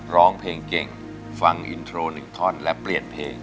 ร้องเพลงเก่งฟังอินโทร๑ท่อนและเปลี่ยนเพลง